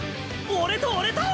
俺と俺と！